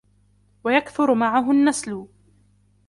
وَيَكْثُرُ مَعَهُ النَّسْلُ